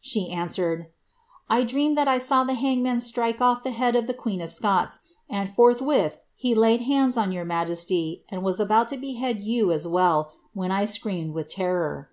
She answered, ^ 1 dreamed that I saw the hangman strike off the head of the queen of Scots ; and forthwith he laid hands on your majesty, and was about to behead you as well, when I screamed with terror.'